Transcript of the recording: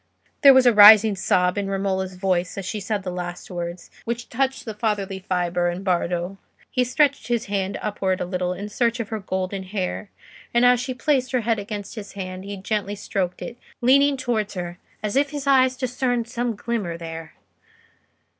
There was a rising sob in Romola's voice as she said the last words, which touched the fatherly fibre in Bardo. He stretched his hand upward a little in search of her golden hair, and as she placed her head under his hand, he gently stroked it, leaning towards her as if his eyes discerned some glimmer there.